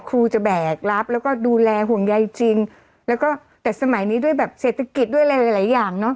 ครูจะแบกรับแล้วก็ดูแลห่วงใยจริงแล้วก็แต่สมัยนี้ด้วยแบบเศรษฐกิจด้วยอะไรหลายหลายอย่างเนอะ